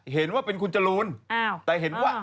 เห็นว่าเป็นคุณจรูนแต่เห็นว่า